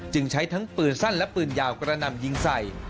ใช้ทั้งปืนสั้นและปืนยาวกระนำยิงใส่